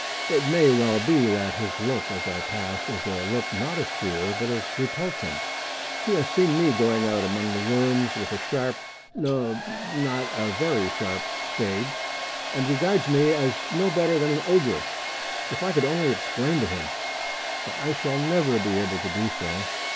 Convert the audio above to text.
It may well be that his look as I pass is a look not of fear but of repulsion. He has seen me going out among the worms with a sharp no, not a very sharp spade, and regards me as no better than an ogre. If I could only explain to him! But I shall never be able to do so.